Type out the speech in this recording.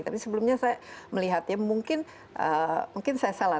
tapi sebelumnya saya melihat ya mungkin saya salah